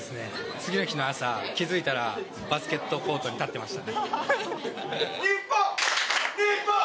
次の日の朝、気付いたらバスケットコートに立ってました。